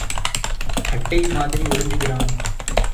அட்டை மாதிரி உறிஞ்சுகிறான்.